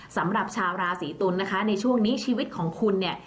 สำหรับชาวราศีตุลนะคะในช่วงนี้ชีวิตของคุณเนี่ย